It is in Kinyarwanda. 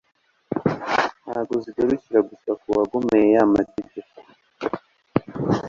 Ntabwo zigarukira gusa ku wagomeye ya mategeko